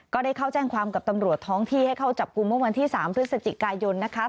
ก็ได้เข้าแจ้งความกับตำรวจท้องที่ให้เข้าจับกลุ่มเมื่อวันที่๓พฤศจิกายนนะคะ